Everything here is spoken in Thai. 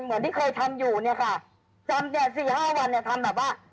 เหมือนที่เคยทำอยู่เนี่ยค่ะจำแต่สี่ห้าวันเนี่ยทำแบบว่า